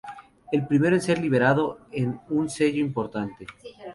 El primero en ser liberado en un sello importante.